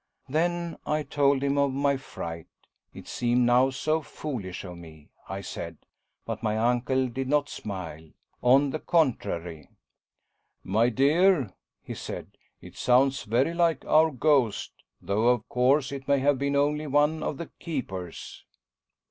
Then I told him of my fright it seemed now so foolish of me, I said. But my uncle did not smile on the contrary. "My dear," he said. "It sounds very like our ghost, though, of course, it may have been only one of the keepers."